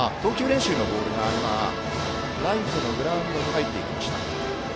投球練習のボールが今ライトのグラウンドに入っていきました。